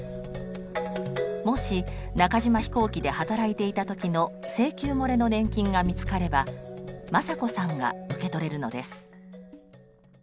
もし中島飛行機で働いていた時の請求もれの年金が見つかれば政子さんが受け取れるのです。